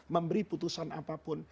memberi putusan apapun